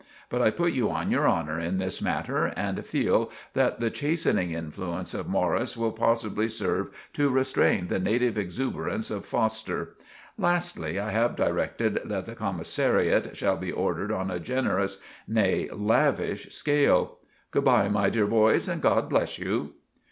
But I put you on your honour in this matter and feal that the chastening influenze of Morris will possibly serve to restrain the native exooberance of Foster. Lastly I have directed that the comissariat shall be ordered on a generous—nay, lavvish skale. Good bye, my dear boys, and God bless you."